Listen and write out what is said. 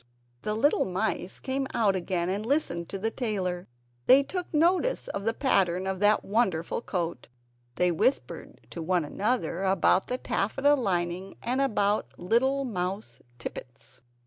The little mice came out again and listened to the tailor; they took notice of the pattern of that wonderful coat. They whispered to one another about the taffeta lining and about little mouse tippets.